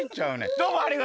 どうもありがとう。